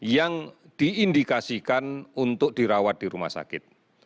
yang diindikasikan untuk dirawat di rumah sakit